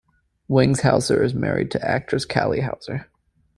Wings Hauser is married to actress Cali Hauser.